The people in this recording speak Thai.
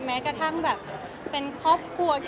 แม้กระทั่งแบบเป็นครอบครัว